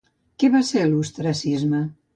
Què va ser l'ostracisme?